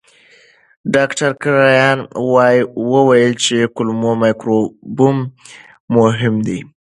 ډاکټر کرایان وویل چې کولمو مایکروبیوم مهم دی.